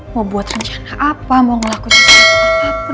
mau buat rencana apa mau melakukan sesuatu apapun